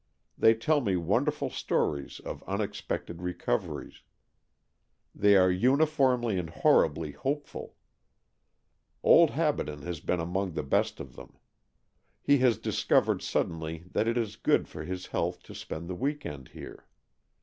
They tell me wonderful stories of unexpected recoveries. They are uniformly and horribly AN EXCHANGE OF SOULS 247 hopeful. Old Habaden has been among the best of them. He has discovered suddenly that it is good for his health to spend the week end here.